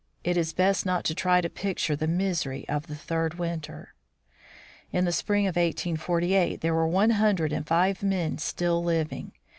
It is best not to try to picture the misery of the third winter. In the spring of 1848 there were one hundred and five men still living.